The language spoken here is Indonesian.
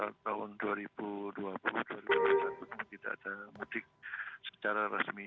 karena tahun dua ribu dua puluh dua ribu dua puluh satu ini tidak ada mudik secara resmi